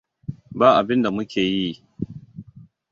Ba abinda mu ke yi.